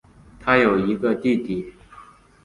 她有一个弟弟。